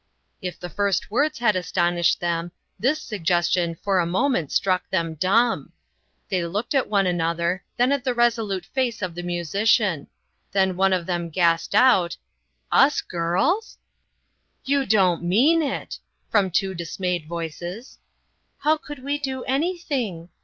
If the first words had astonished them, this suggestion for a moment struck them dumb. They looked at one another, then at the resolute face 01 the musician. Then one of them gasped out: "Us girls?" "You don't mean it!" from two dismayed voices. "How could we do anything?"